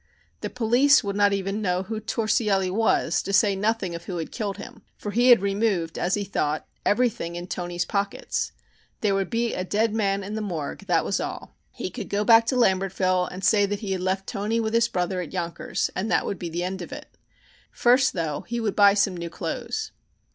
The police would not even know who Torsielli was, to say nothing of who had killed him, for he had removed, as he thought, everything in Toni's pockets. There would be a dead man in the morgue, that was all. He could go back to Lambertville and say that he had left Toni with his brother, at Yonkers, and that would be the end of it. First, though, he would buy some new clothes.